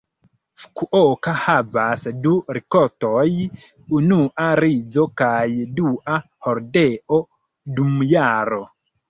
Fukuoka havas du rikoltoj, unua rizo kaj dua hordeo, dum jaro.